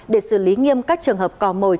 để xử lý nghiêm các trường hợp cò mồi